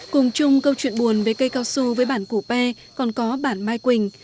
cùng chung câu chuyện buồn về cây cao su với bản củ pê còn có bản mai quỳnh